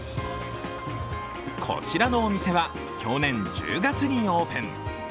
こちらのお店は、去年１０月にオープン。